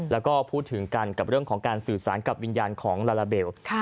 แล้วก็พูดถึงกันกับเรื่องของการสื่อสารกับวิญญาณของลาลาเบล